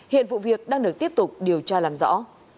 hiện vụ việc đang được tiếp tục điều tra làm rõ